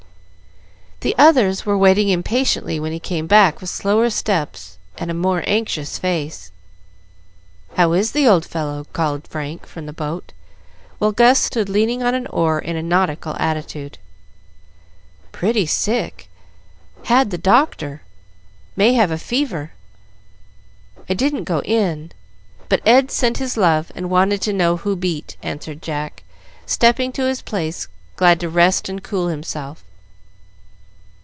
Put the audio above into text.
The others were waiting impatiently when he came back with slower steps and a more anxious face. "How is the old fellow?" called Frank from the boat, while Gus stood leaning on an oar in a nautical attitude. "Pretty sick. Had the doctor. May have a fever. I didn't go in, but Ed sent his love, and wanted to know who beat," answered Jack, stepping to his place, glad to rest and cool himself.